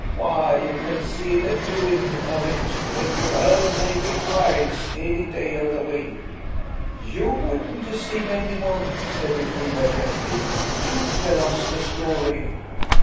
Why, you can see it a doin' of it with your own naked eyes any day of the week." "You wouldn't deceive any one," said Elfrida gently. "Do tell us the story."